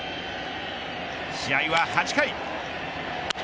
試合は８回。